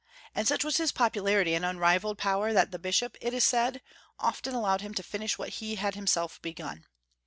And such was his popularity and unrivalled power, that the bishop, it is said, often allowed him to finish what he had himself begun.